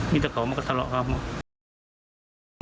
มีแต่เขามาก็ทะเลาะกับเขาค่อน